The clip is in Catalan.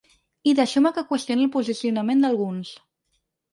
I deixeu-me que qüestioni el posicionament d’alguns.